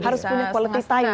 harus punya quality time